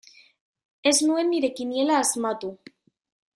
Ez nuen nire kiniela asmatu.